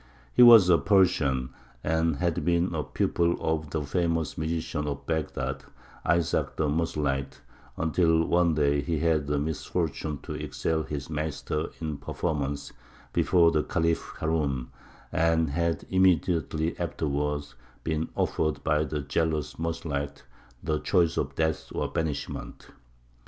He was a Persian, and had been a pupil of the famous musician of Baghdad, Isaac the Mosilite, until one day he had the misfortune to excel his master in a performance before the Khalif Harūn, and had immediately afterwards been offered by the jealous Mosilite the choice of death or banishment.